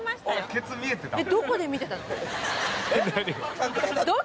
ケツ見えてたもん。